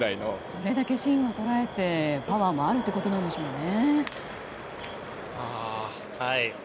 それだけ芯を捉えてパワーもあるということなんでしょうね。